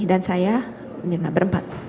dan saya mirna berempat